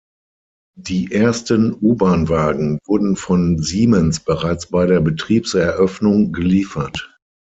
Die ersten U-Bahn-Wagen wurden von Siemens bereits bei der Betriebseröffnung geliefert.